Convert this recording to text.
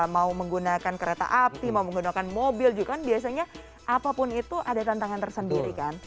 mau menggunakan kereta api mau menggunakan mobil juga kan biasanya apapun itu ada tantangan tersendiri kan